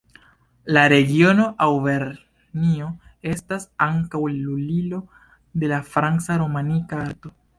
La regiono Aŭvernjo estas ankaŭ lulilo de la franca romanika arto.